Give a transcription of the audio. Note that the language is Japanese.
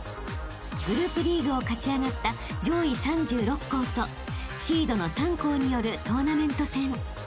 ［グループリーグを勝ち上がった上位３６校とシードの３校によるトーナメント戦］